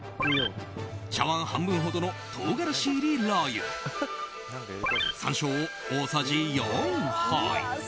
茶わん半分ほどの唐辛子入りラー油山椒を大さじ４杯。